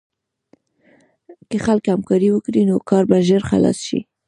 که خلک همکاري وکړي، نو کار به ژر خلاص شي.